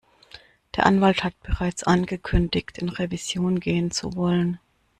Der Anwalt hat bereits angekündigt, in Revision gehen zu wollen.